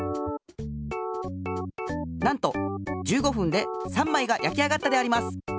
なんと１５ふんで３まいがやき上がったであります。